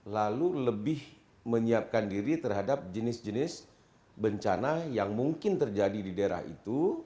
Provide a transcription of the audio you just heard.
lalu lebih menyiapkan diri terhadap jenis jenis bencana yang mungkin terjadi di daerah itu